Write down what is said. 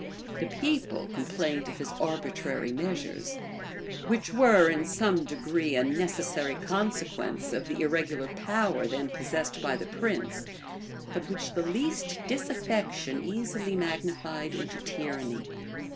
The people complained of his arbitrary measures; which were, in some degree, a necessary consequence of the irregular power then possessed by the prince, but which the least disaffection easily magnified into tyranny.